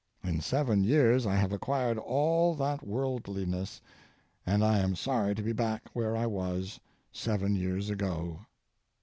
In seven years I have acquired all that worldliness, and I am sorry to be back where I was seven years ago.